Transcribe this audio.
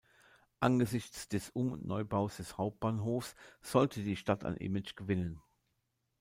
Angesichts des Um- und Neubaus des Hauptbahnhofs sollte die Stadt an Image gewinnen.